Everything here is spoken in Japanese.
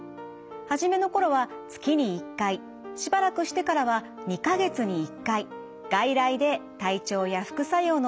初めの頃は月に１回しばらくしてからは２か月に１回外来で体調や副作用のチェックをしています。